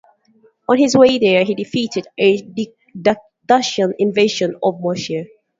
On his way there, he defeated a Dacian invasion of Moesia.